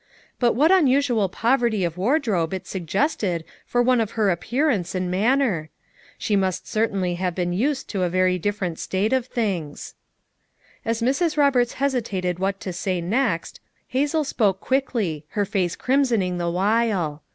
But what unusual poverty of wardrobe it suggested for one of her appearance and maimer! She must cer tainly have been used to a very different state of things. As Mrs, Roberts hesitated what to say next, Hazel spoke quickly, her face crimsoning the while.